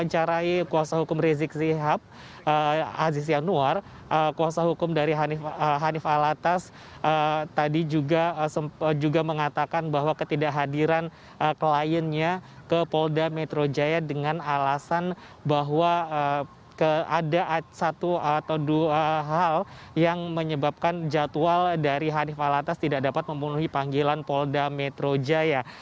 menyarahi kuasa hukum rizik sihab aziz yanuar kuasa hukum dari hanif alatas tadi juga mengatakan bahwa ketidakhadiran kliennya ke polda metro jaya dengan alasan bahwa ada satu atau dua hal yang menyebabkan jadwal dari hanif alatas tidak dapat memenuhi panggilan polda metro jaya